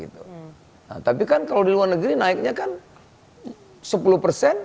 tapi kan kalau di luar negeri naiknya kan sepuluh persen